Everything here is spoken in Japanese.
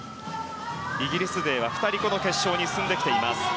イギリス勢は２人この決勝に進んでいます。